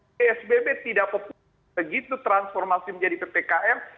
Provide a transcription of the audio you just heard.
psbb tidak begitu transformasi menjadi ppkm